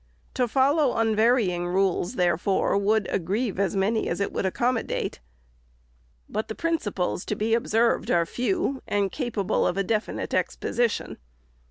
To follow unvarying rules, there fore, would aggrieve as many as it would accommodate. But the principles to be observed are few, and capable of a definite exposition.